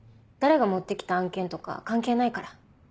誰が持って来た案件とか関係ないから。